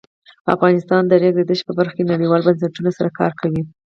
افغانستان د د ریګ دښتې په برخه کې نړیوالو بنسټونو سره کار کوي.